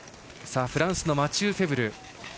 フランスのマチュー・フェブル。